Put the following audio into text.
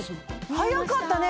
早かったね！